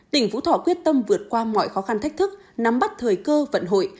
tỉnh vũ thỏ quyết tâm vượt qua mọi khó khăn thách thức nắm bắt thời cơ vận hội